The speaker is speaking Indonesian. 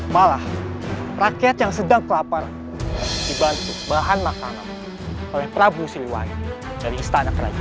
malah rakyat yang sedang kelapar dibantu bahan makanan oleh prabu siliwangi dari istana kerajaan